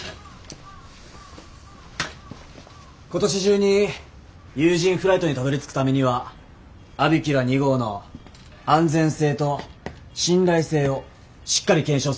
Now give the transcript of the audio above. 今年中に有人フライトにたどりつくためにはアビキュラ２号の安全性と信頼性をしっかり検証する必要がある。